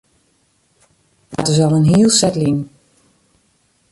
Dat is al in heel set lyn.